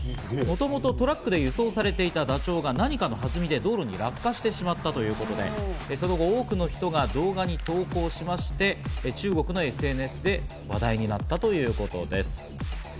もともとトラックで輸送されていたダチョウが何かの弾みで道路に落下してしまったということで、その後、多くの人が動画に投稿しまして、中国のＳＮＳで話題になったということです。